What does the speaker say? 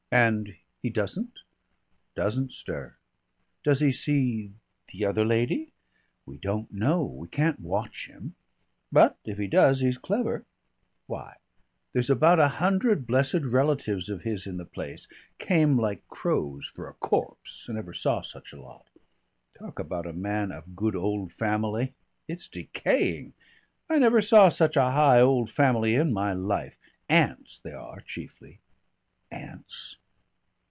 "And he doesn't?" "Doesn't stir." "Does he see the other lady?" "We don't know. We can't watch him. But if he does he's clever " "Why?" "There's about a hundred blessed relatives of his in the place came like crows for a corpse. I never saw such a lot. Talk about a man of good old family it's decaying! I never saw such a high old family in my life. Aunts they are chiefly." "Aunts?"